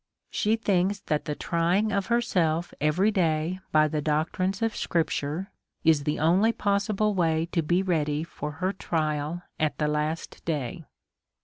She thinks that the trying herself every day by the doctrines of scripture is tlie only possible way to be ready for her trial at the last day.